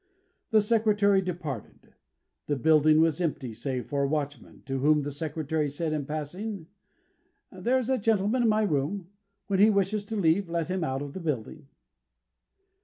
The Secretary departed. The building was empty, save for a watchman, to whom the Secretary said in passing, "There is a gentleman in my room. When he wishes to leave let him out of the building."